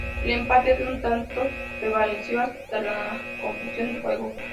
El empate a un tanto prevaleció hasta la conclusión del juego.